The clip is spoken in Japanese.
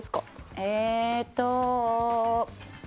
えーっと。